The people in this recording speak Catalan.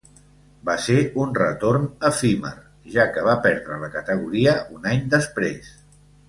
Va ser un retorn efímer, ja que va perdre la categoria un any després.